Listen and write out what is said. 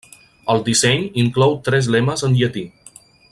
El disseny inclou tres lemes en llatí.